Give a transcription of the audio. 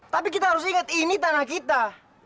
tapi kita harus ingat ini tanah kita